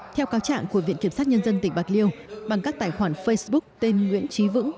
theo cáo trạng của viện kiểm sát nhân dân tỉnh bạc liêu bằng các tài khoản facebook tên nguyễn trí vững